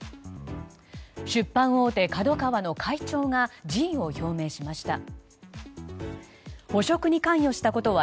出版大手ＫＡＤＯＫＡＷＡの会長が辞意を表明しました。